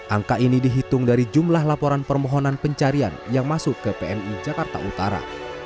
angka ini dihitung dari jumlah laporan permohonan pencarian yang masuk ke pmi jakarta utara